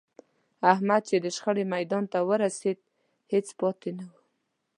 احمد چې د شخړې میدان ته ورسېد، هېڅ پاتې نه و.